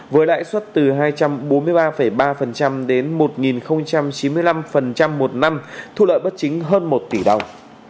với lãi suất từ hai trăm bốn mươi ba ba đến một chín mươi năm một năm thu lợi bất chính hơn một tỷ đồng